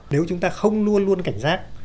nếu chúng ta không luôn luôn cảnh giác